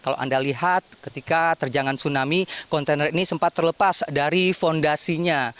kalau anda lihat ketika terjangan tsunami kontainer ini sempat terlepas dari fondasinya